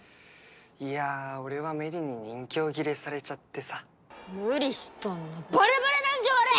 いや俺は芽李に任侠ギレされちゃってさ無理しとんのバレバレなんじゃワレ！